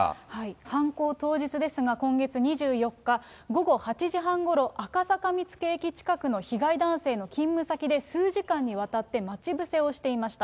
犯行当日ですが、今月２４日午後８時半ごろ、赤坂見附駅近くの被害男性の勤務先で数時間にわたって待ち伏せをしていました。